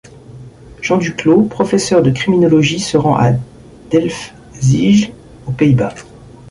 Jean Duclos, professeur de criminologie se rend à Delfzijl, aux Pays-Bas.